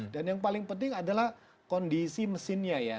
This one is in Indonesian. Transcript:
dan yang paling penting adalah kondisi mesinnya ya